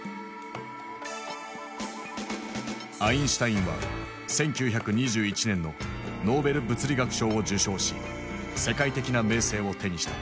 アインシュタインは１９２１年のノーベル物理学賞を受賞し世界的な名声を手にした。